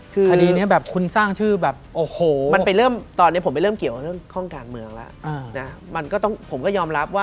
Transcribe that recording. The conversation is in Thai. คือทุกพักเลยดีกว่าครับ